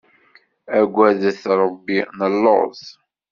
Agadet Rebbi, nelluẓ!